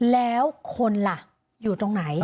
แล้วคนล่ะอยู่ตรงไหน